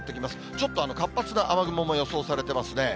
ちょっと活発な雨雲も予想されてますね。